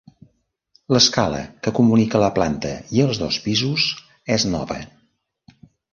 L'escala que comunica la planta i els dos pisos és nova.